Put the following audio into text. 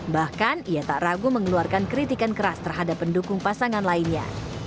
bahkan ia tak ragu mengeluarkan kritikan keras terhadap pendukung pasangan lainnya